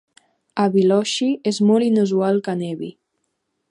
A Biloxi és molt inusual que nevi.